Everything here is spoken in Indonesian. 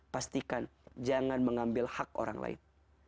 pastikan jangan mengambil hak orang lain